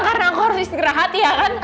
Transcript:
karena aku harus istirahat ya kan